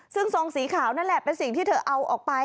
ซึ่งทรงสีขาวนั่นแหละเป็นสิ่งที่เธอเอาออกไป